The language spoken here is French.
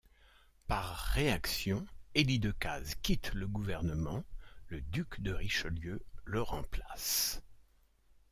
Par réaction, Élie Decazes quitte le gouvernement, le duc de Richelieu le remplace.